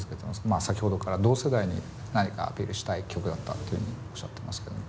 まあ先ほどから同世代に何かアピールしたい曲だったというふうにおっしゃってますけども。